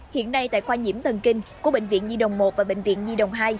hiện nay tại khoa nhiễm thần kinh của bệnh viện nhi đồng một và bệnh viện nhi đồng hai